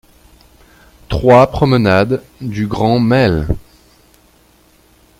trois promenade du Grand Mail